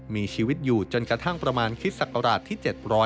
มีชีวิตอยู่จนกระทั่งประมาณคริสตศักราชที่๗๐๐